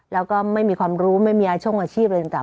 แล้วก็ไม่มีความรู้ไม่มีอาช่องอาชีพอะไรต่าง